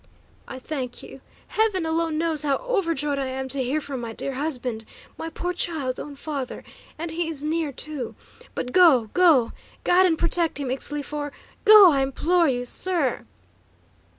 "I thank you; heaven alone knows how overjoyed I am to hear from my dear husband, my poor child's own father! And he is near, to But go, go! Guide and protect him, Ixtli, for Go, I implore you, sir!"